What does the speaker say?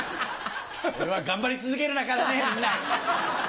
俺は頑張り続けるからねみんな！